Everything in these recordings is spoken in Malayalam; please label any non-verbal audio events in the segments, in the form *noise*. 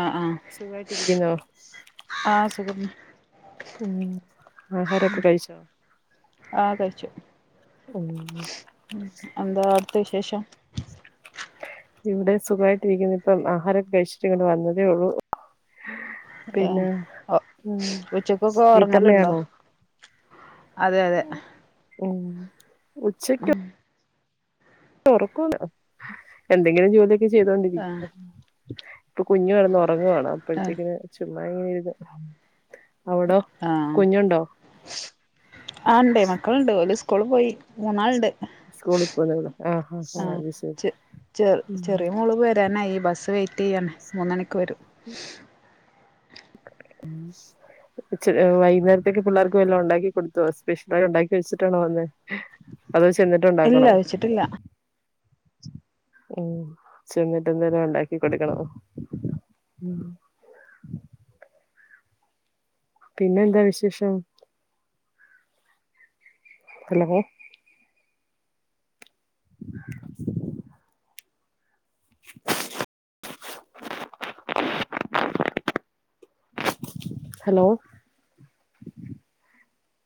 ആഹ് ആഹ് സുഖായിട്ടിരിക്കുന്നോ ആഹ് സുഖം ഉ ആഹാരൊക്കെ കഴിച്ചോ ആകയ്ച്ചു ഉം ത്തശേഷം ഇവിടെ സുഖമായിട്ട് ഇരിക്കുന് *unintelligible* ഇപ്പം ആഹാരൊക്കെ കഴിച്ചിട്ട് ഇങ്ങോ് വന്നതേ ഉള്ളു ഏഹ് പിന്നെ ഓ ഉ ഉച്ചക്കൊക്കെ ഉറങ്ങലുണ്ടോ വീട്ടമ്മയാണോ അതെ അതെ ഉ ഉച്ചക്ക് ആഹ് ഒറക്കൂല ന്ന് എന്തെങ്കിലും ജോലിയൊക്കെ ചെയ്തോണ്ടിരിക്കും ആഹ് ഇപ്പൊ കുഞ്ഞു കെടന്നു ഉറങ്ങവാണ് അപ്പഴത്തേക്കിന് ചുമ്മാ ഇങ്ങനെ അവിടോ ആഹ കുഞ്ഞുണ്ടോ ആ ഉണ്ടേ മക്കളുണ്ടേ ഓല് സ്കൂള് പോയി മൂന്നാൾ ണ്ട് സ്കൂളിൽ പോകുന്നേ ഉള്ളൂ ആഹ് ആഹ് ചെറ ചെറിയ മോള് വരാനായി ഈ ബസ്സ് വെയിറ്റ് ചെയ്യണേ മൂന്നണിക്ക് വരും *unintelligible* ഉ വൈകുന്നേരത്തേക്കെ പിള്ളേർക്കും വല്ലാം ഉണ്ടാക്കി കൊടുത്തുവോ സ്പെഷ്യലായി ഉണ്ടാക്കി വെച്ചിട്ടാണോ വന്ന് അത് ഇല്ല ചെന്നിട്ടുണ്ടാക്കണോ വെച്ചിട്ടില്ല ഉ ചെന്നിട്ട എന്തിലം ഉണ്ടാക്കി കൊടുക്കണ ഉം അം പിന്നെ എന്താ വിശേഷം ഹലോ *unintelligible* *inaudible* ഹലോ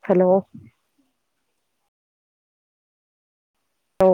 ഹലോ ഓ